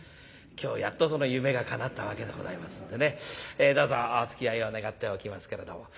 今日やっとその夢がかなったわけでございますんでねどうぞおつきあいを願っておきますけれども。